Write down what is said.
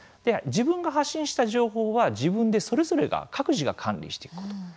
自分が発信した情報は自分でそれぞれが各自が管理していくこと。